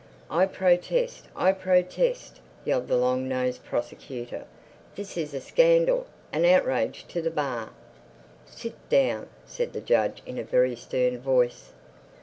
"I protest, I protest!" yelled the long nosed Prosecutor. "This is a scandal, an outrage to the Bar!" "Sit down!" said the judge in a very stern voice.